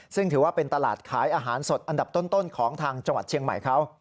ซึ่งถือว่าเป็นตลาดขายอาหารสดอันดับต้นของทางจังหวัดเชียงใหม่เขา